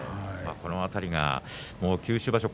この辺りが九州場所